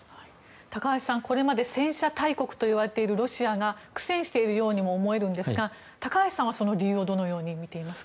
高橋さん、これまで戦車大国といわれているロシアが苦戦しているようにも思えるんですが高橋さんはその理由をどのようにみていますか？